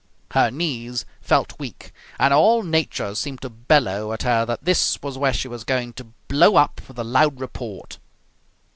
Her knees felt weak and all nature seemed to bellow at her that this was where she was going to blow up with a loud report.